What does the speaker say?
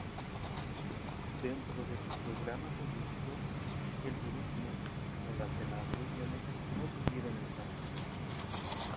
Dentro de su programa político, el budismo —como las demás religiones— no tuvieron espacio.